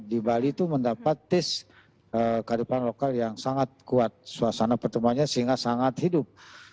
di bali itu mendapat taste kearifan lokal yang sangat kuat suasana pertemuannya sehingga sangat hidup